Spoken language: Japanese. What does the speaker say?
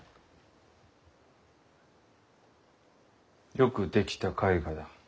よく出来た絵画だ。